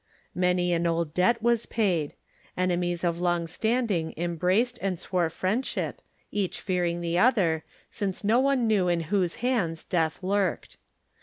Many an old debt was paid. Enemies of long standing embraced and swore friend ship, each fearing the other, since no one knew in whose hands death lurked.